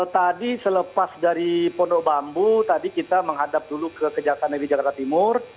tadi selepas dari pondok bambu tadi kita menghadap dulu ke kejaksaan negeri jakarta timur